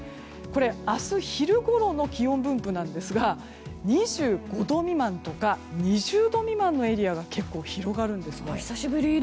明日昼ごろの気温分布ですが２５度未満とか２０度未満のエリアが結構、広がるんですね。